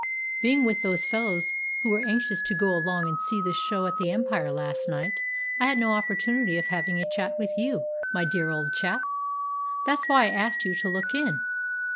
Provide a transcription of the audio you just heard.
"Being with those fellows who were anxious to go along and see the show at the Empire last night, I had no opportunity of having a chat with you, my dear old chap. That's why I asked you to look in."